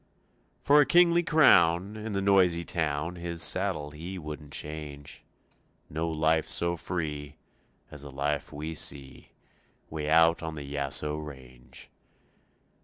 For a kingly crown In the noisy town His saddle he wouldn't change; No life so free As the life we see Way out on the Yaso range.